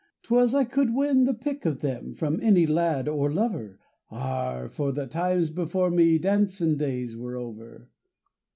'Twas I could win the pick of them from any lad or lover; Arrah! for the times before me dancin' days were over!